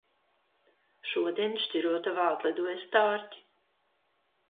Šodien Šķirotavā atlidoja stārķi.